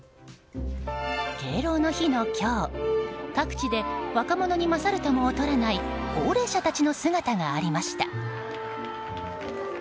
敬老の日の今日各地で若者に勝るとも劣らない高齢者たちの姿がありました。